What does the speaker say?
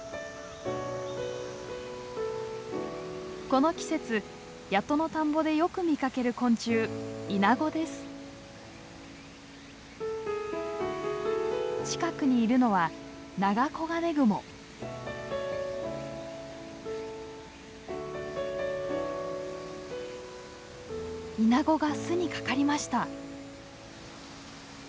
この季節谷戸の田んぼでよく見かける昆虫近くにいるのはイナゴが巣にかかりました。